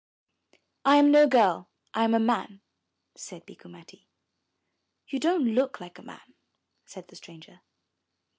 "I am no girl, I am a man," said Bikku Matti. "You don't look like a man," said the stranger.